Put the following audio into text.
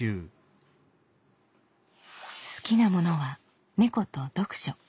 好きなものは猫と読書。